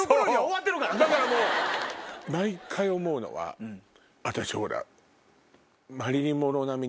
だから毎回思うのは私ほら。